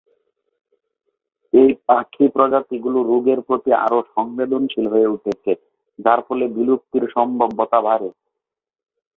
এই পাখি প্রজাতিগুলো রোগের প্রতি আরো সংবেদনশীল হয়ে উঠছে, যার ফলে বিলুপ্তির সম্ভাব্যতা বাড়ে।